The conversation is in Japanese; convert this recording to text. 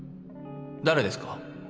誰ですか？